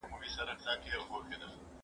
ما دعا دركړې ځه خداى دي پاچا كه